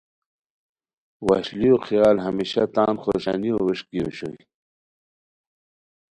وشلیو خیال ہمیشہ تان خوشانیو ویݰکی اوشوئے